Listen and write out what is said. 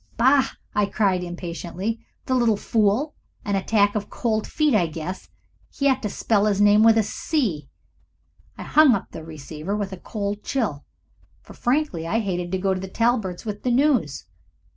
"Bah!" I cried, impatiently. "The little fool! An attack of cold feet, I guess he ought to spell his name with a C." I hung up the receiver with a cold chill, for frankly I hated to go to the Talberts' with the news.